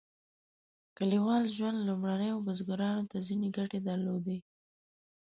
کلیوال ژوند لومړنیو بزګرانو ته ځینې ګټې درلودې.